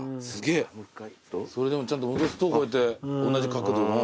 それでもちゃんと戻すとこうやって同じ角度の。